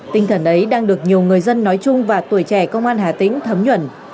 tinh thần ấy đang được nhiều người dân nói chung và tuổi trẻ công an hà tĩnh thấm nhuẩn